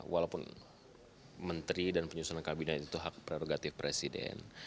walaupun menteri dan penyusunan kabinet itu hak prerogatif presiden